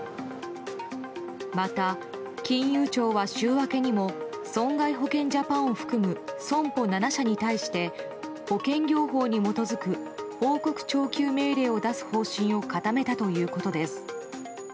また、金融庁は週明けにも損害保険ジャパンを含む損保７社に対して保険業法に基づく報告徴求命令を出す方針を固めたということです。